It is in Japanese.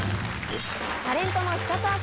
タレントの。